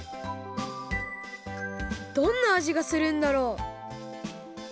どんなあじがするんだろう？